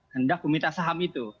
hendak meminta saham itu